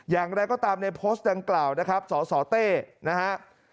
อย่างไรก็ตามในโพสต์ดังกล่าวนะครับสสเต้นะฮะ